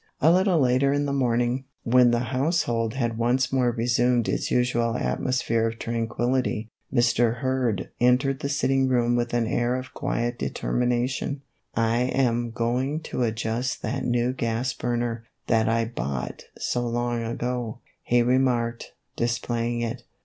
A little later in the morning, when the house 100 MR. KURD'S HOLIDAY. hold had once more resumed its usual atmosphere of tranquillity, Mr. Kurd entered the sitting room with an air of quiet determination. " I am going to adjust that new gas burner, that I bought so long ago," he remarked, displaying it.